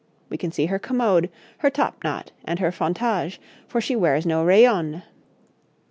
We can see her commode, her top not, and her fontage, for she wears no rayonné.